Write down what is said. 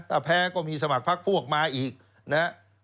ถ้าแพ้ก็มีสมัครพักพวกมาอีกนะครับ